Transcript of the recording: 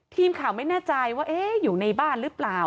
ทีมข่าวไม่แน่ใจว่าอยู่ในบ้านหรือเปล่า